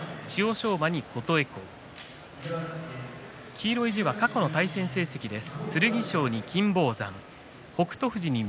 黄色い字は過去の対戦成績です。